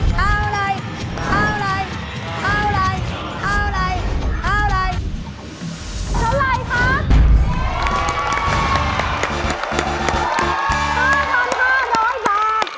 พอครั้งร้อยบาท